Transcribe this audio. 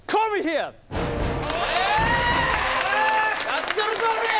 やったるぞおりゃ！